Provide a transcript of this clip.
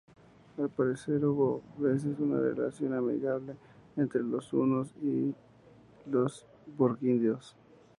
Al parecer hubo a veces una relación amigable entre los hunos y los burgundios.